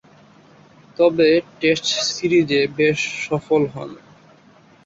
তবে, টেস্ট সিরিজে বেশ সফল হন।